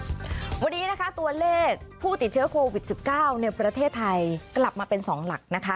วันนี้นะคะตัวเลขผู้ติดเชื้อโควิด๑๙ในประเทศไทยกลับมาเป็น๒หลักนะคะ